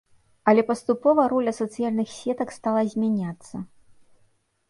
Але паступова роля сацыяльных сетак стала змяняцца.